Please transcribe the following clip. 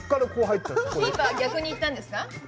キーパーは逆にいったんですか。